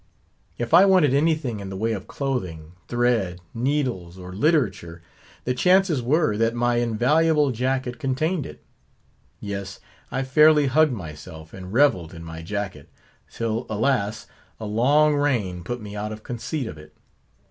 If I wanted anything in the way of clothing, thread, needles, or literature, the chances were that my invaluable jacket contained it. Yes: I fairly hugged myself, and revelled in my jacket; till, alas! a long rain put me out of conceit of it.